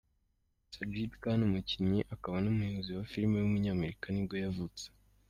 Sajid Khan, umukinnyi akaba n’umuyobozi wa filime w’umunyamerika nibwo yavutse.